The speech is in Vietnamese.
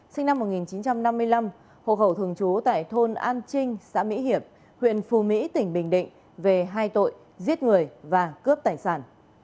sinh năm một nghìn chín trăm năm mươi năm hộ khẩu thường trú tại thôn an trinh xã mỹ hiệp huyện phù mỹ tỉnh bình định về hai tội giết người và cướp tài sản